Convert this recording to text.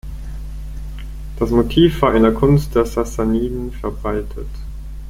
Das Motiv war in der Kunst der Sassaniden verbreitet.